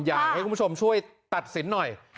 อยากให้คุณผู้ชมช่วยตัดสินหน่อย